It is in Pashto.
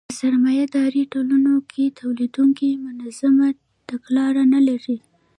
په سرمایه داري ټولنو کې تولیدونکي منظمه تګلاره نلري